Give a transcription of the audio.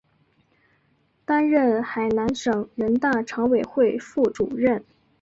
担任海南省人大常委会副主任。